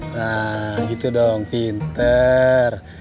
nah gitu dong pinter